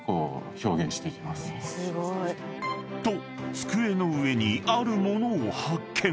机の上にある物を発見］